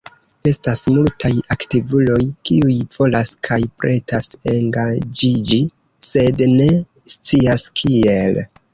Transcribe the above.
Estas multaj aktivuloj kiuj volas kaj pretas engaĝiĝi sed ne scias kiel.